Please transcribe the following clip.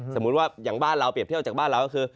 สมมุติว่าอย่างบ้านเราเปรียบเทียบจากบ้านเราก็คือ